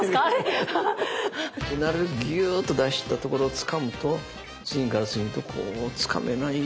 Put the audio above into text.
なるべくギューッと出したところをつかむと次から次へとこうつかめない。